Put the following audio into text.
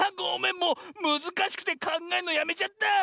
もうむずかしくてかんがえんのやめちゃった！